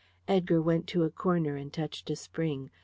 Edgar went to a corner and touched a spring.